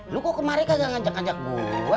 lu kok kemarin kagak ngajak anjak gua